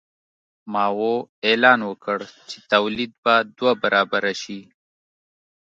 ماوو اعلان وکړ چې تولید به دوه برابره شي.